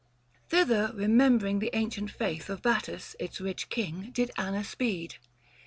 Thither, remembering 615 The ancient faith of Battus its rich king, Did Anna speed.